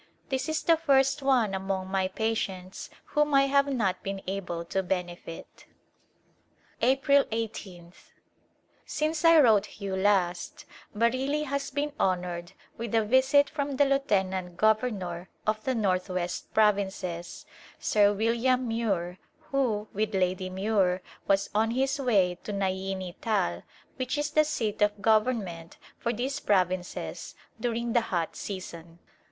This is the first one among my patients whom I have not been able to benefit. April l8th. Since I wrote you last Bareilly has been honored with a visit from the Lieutenant Governor of the Northwest Provinces, Sir William Muir who, with Lady Muir, was on his way to Naini Tal, which is the seat of government for these provinces during the hot season.